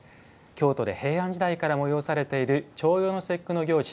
京都で平安時代から催されている重陽の節句の行事